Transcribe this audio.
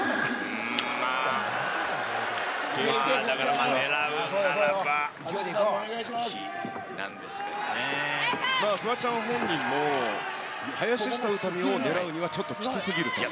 まあ、だからまあ、狙うんならば、フワちゃん本人も、林下詩美を狙うには、ちょっときつすぎると？